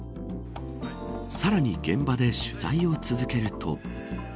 さらに現場で取材を続けると。